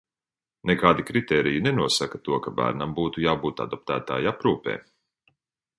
Nekādi kritēriji nenosaka to, ka bērniem būtu jābūt adoptētāja aprūpē.